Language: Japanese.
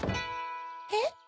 えっ？